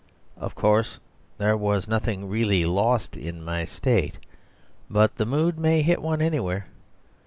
Of course, there was nothing really lost in my state; but the mood may hit one anywhere.